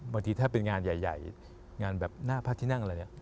บางทีถ้าเป็นงานใหญ่งานแบบหน้าพระที่นั่งอะไรเนี่ย